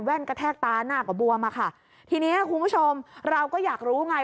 แว่นกระแทกตาหน้ากับบัวมาค่ะทีนี้คุณผู้ชมเราก็อยากรู้ไง